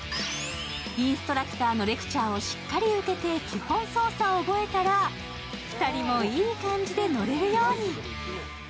インストラクターのレクチャーをしっかり受けて基本操作を覚えたら２人もいい感じで乗れるように。